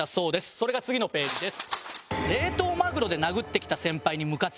それが次のページです。